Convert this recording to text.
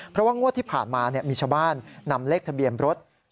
เพราะว่างวดที่ผ่านมามีชาวบ้านนำเลขทะเบียนรถ